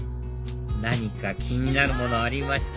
何か気になるものありました？